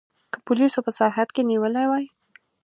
که پولیسو په سرحد کې نیولي وای.